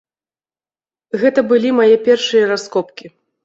Гэта былі мае першыя раскопкі.